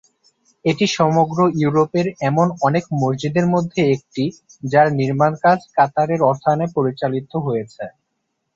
এটি সমগ্র ইউরোপের এমন অনেক মসজিদের মধ্যে একটি, যার নির্মাণকাজ কাতারের অর্থায়নে পরিচালিত হয়েছে।